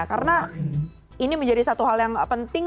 karena ini menjadi satu hal yang penting